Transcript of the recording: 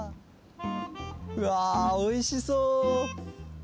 うわおいしそう！